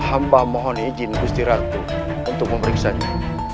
amba mohon izin gusti ratu untuk memeriksa dia